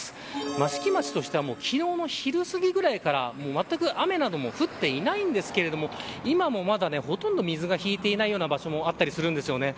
益城町としては昨日の昼すぎぐらいからまったく雨なども降っていないんですけれども今もまだ、ほとんど水が引いていないような場所もあったりするんです。